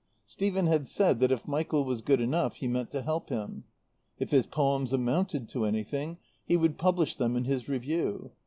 Stephen had said that if Michael was good enough he meant to help him. If his poems amounted to anything he would publish them in his Review.